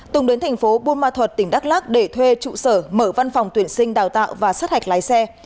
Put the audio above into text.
tùng đến thành phố buôn ma thuật tỉnh đắk lắc để thuê trụ sở mở văn phòng tuyển sinh đào tạo và sát hạch lái xe